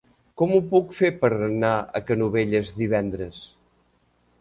Com ho puc fer per anar a Canovelles divendres?